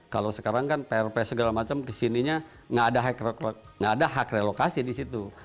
kalau sekarang kan prp segala macam kesininya nggak ada hak relokasi di situ